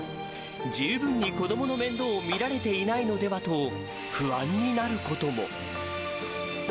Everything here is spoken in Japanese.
十分に子どもの面倒を見られていないのではと、不安になることも。